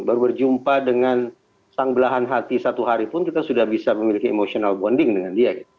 baru berjumpa dengan sang belahan hati satu hari pun kita sudah bisa memiliki emotional bonding dengan dia